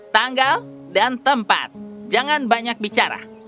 tanggal dan tempat jangan banyak bicara